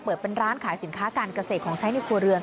เปิดเป็นร้านขายสินค้าการเกษตรของใช้ในครัวเรือน